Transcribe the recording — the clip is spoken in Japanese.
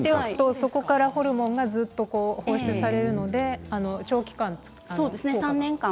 そこからホルモンを補充されるので長期間？